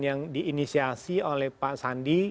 yang diinisiasi oleh pak sandi